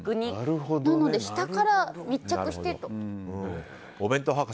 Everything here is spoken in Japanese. なので下から密着して。